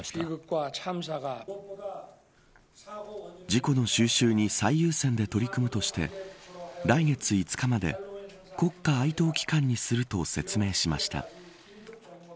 事故の収拾に最優先で取り組むとして来月５日まで国家哀悼期間にすると説明しました。